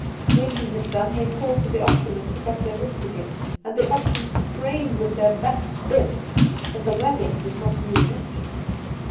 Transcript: When he had done they called to the oxen and took up their whips again, and the oxen strained with their backs bent, but the wagon did not move an inch.